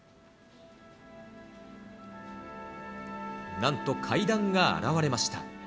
なんと、階段が現れました。